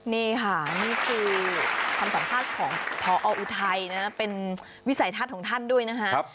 นี่ค่ะนี่คือคำสัมภาษณ์ของพออุทัยนะเป็นวิสัยทัศน์ของท่านด้วยนะครับ